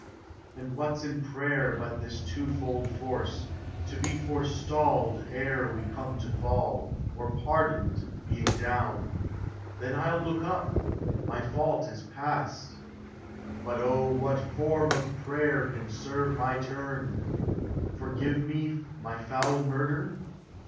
And what 's in prayer but this twofold force, To be forestalled ere we come to fall. Or pardoned being down? Then I '11 look up; My fault is past. But, O, what form of prayer Can serve my turn? " Forgive me my foul mur der?"